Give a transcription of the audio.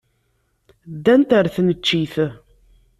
Ddant ɣer tneččit.